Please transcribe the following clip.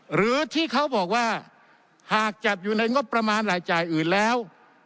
หรือที่เขาบอกว่าหากจัดอยู่ในงบประมาณรายจ่ายอื่นแล้ว